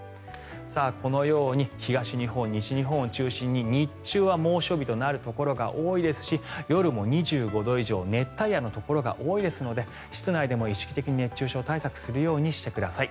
このように東日本、西日本を中心に日中は猛暑日となるところが多いですし夜も２５度以上熱帯夜のところが多いですので室内でも意識的に熱中症対策するようにしてください。